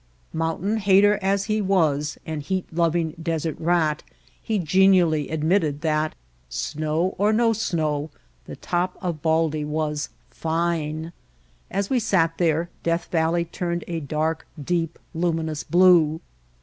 Mountain hater as he was and heat loving "desert rat," he genially ad mitted that, snow or no snow, the top of Baldy was "fine." As we sat there Death Valley turned a dark, deep, luminous blue.